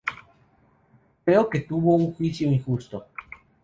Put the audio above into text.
Creo que tuvo un juicio injusto".